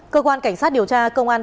cơ quan cảnh sát điều tra công an